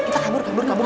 kabur kabur kabur